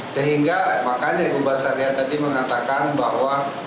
sehingga makanya ibu basaria tadi mengatakan bahwa